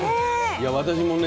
私もね